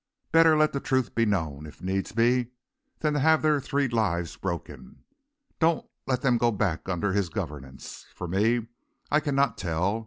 Better let the truth be known, if needs be, than have their three lives broken. Don't let them go back under his governance. For me, I cannot tell.